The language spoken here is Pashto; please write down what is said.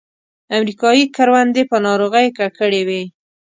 امریکایي کروندې په ناروغیو ککړې وې.